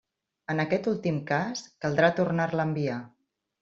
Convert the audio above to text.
En aquest últim cas, caldrà tornar-la a enviar.